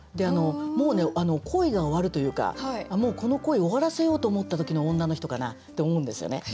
もうね恋が終わるというかもうこの恋終わらせようと思った時の女の人かなって思うんですよね。